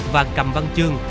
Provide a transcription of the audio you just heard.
và cầm văn chương